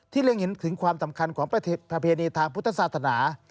ที่เรียกเห็นถึงความสำคัญของประเพณีทางพุทธศาสตร์ธนา